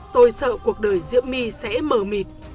tôi sợ cuộc đời diễm my sẽ mờ mịt